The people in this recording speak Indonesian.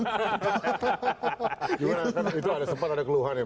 gimana itu ada sempat ada keluhan ya